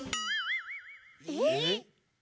えっ！？